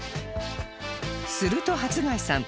すると初谷さん